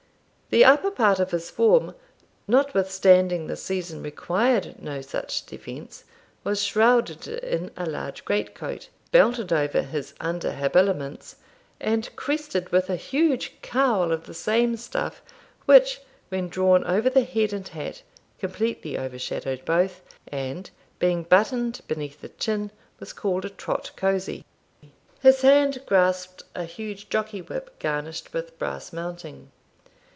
The upper part of his form, notwithstanding the season required no such defence, was shrouded in a large great coat, belted over his under habiliments, and crested with a huge cowl of the same stuff, which, when drawn over the head and hat, completely overshadowed both, and, being buttoned beneath the chin, was called a trot cozy. His hand grasped a huge jockey whip, garnished with brassmounting.